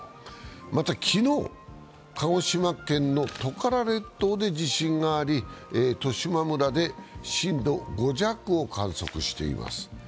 また、昨日、鹿児島県のトカラ列島で地震があり十島村で震度５弱を観測しています